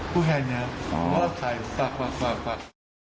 พ่อแหวนเนี่ยขอรับทรัพย์ศักดิ์